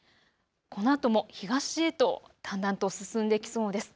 このあとも東へとだんだんと進んできそうです。